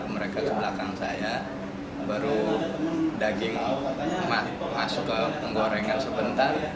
mereka ke belakang saya baru daging masuk ke penggorengan sebentar